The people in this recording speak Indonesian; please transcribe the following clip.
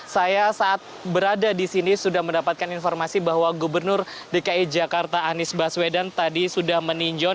saya saat berada di sini sudah mendapatkan informasi bahwa gubernur dki jakarta anies baswedan tadi sudah meninjau